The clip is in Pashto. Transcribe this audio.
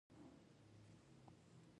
د نجونو تعلیم د ناامیدۍ علاج دی.